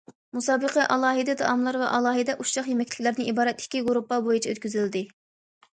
مۇسابىقە ئالاھىدە تائاملار ۋە ئالاھىدە ئۇششاق يېمەكلىكلەردىن ئىبارەت ئىككى گۇرۇپپا بويىچە ئۆتكۈزۈلدى.